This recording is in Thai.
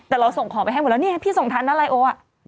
แต่เราส่งของไปให้หมดแล้วเนี่ยพี่ส่งทันอะไรโออ่ะ